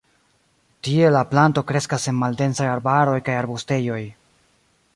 Tie la planto kreskas en maldensaj arbaroj kaj arbustejoj.